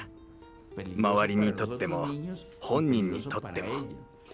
周りにとっても本人にとっても。